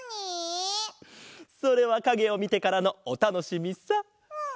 それはかげをみてからのおたのしみさ。